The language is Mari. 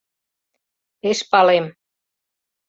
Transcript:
Пеш палем.